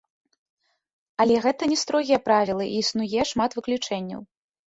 Але гэта не строгія правілы, і існуе шмат выключэнняў.